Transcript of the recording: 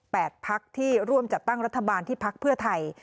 พักที่ร่วมจัดตั้งรัฐบาลที่พักเพื่อไทย